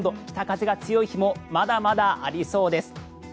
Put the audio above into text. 北風が強い日もまだまだありそうです。